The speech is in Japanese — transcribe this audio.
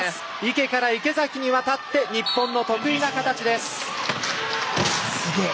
池から池崎に渡って日本の得意な形です。